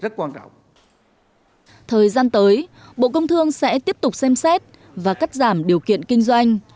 thời gian tới bộ công thương sẽ tiếp tục xem xét và cắt giảm điều kiện kinh doanh